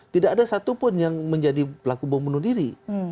tidak ada satupun yang menjadi pelaku bom bunuh diri